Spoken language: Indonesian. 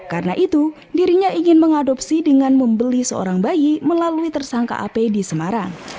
karena itu dirinya ingin mengadopsi dengan membeli seorang bayi melalui tersangka ap di semarang